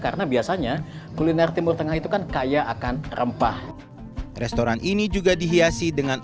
karena biasanya kuliner timur tengah itu kan kaya akan rempah restoran ini juga dihiasi dengan